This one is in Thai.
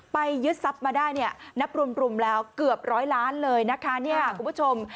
ไปยึดซับมาได้นับรวมแล้วเกือบ๑๐๐ล้านธรรมดิ์